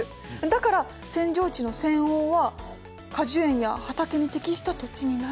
だから扇状地の扇央は果樹園や畑に適した土地になるんですよ。